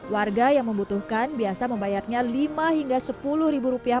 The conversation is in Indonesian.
warga yang membutuhkan biasa membayarnya lima hingga sepuluh ribu rupiah